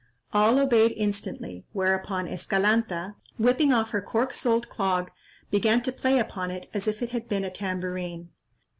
All obeyed instantly, whereupon Escalanta, whipping off her cork soled clog, began to play upon it as if it had been a tambourine.